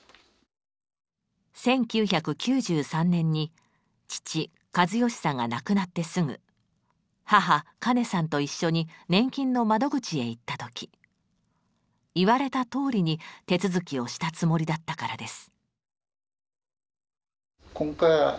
１９９３年に父・計義さんが亡くなってすぐ母・カネさんと一緒に年金の窓口へ行った時言われたとおりに手続きをしたつもりだったからです。